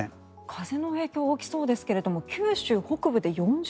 風の影響が大きそうですけれど九州北部で４０ｍ。